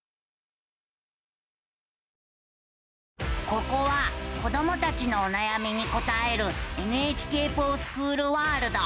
ここは子どもたちのおなやみに答える「ＮＨＫｆｏｒＳｃｈｏｏｌワールド」。